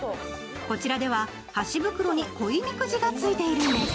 こちらでは箸袋に恋みくじがついているんです。